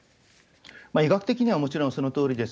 医学的にはもちろんそのとおりです。